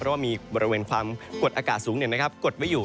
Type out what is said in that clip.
เพราะว่ามีบริเวณความกดอากาศสูงเนี่ยนะครับกดไว้อยู่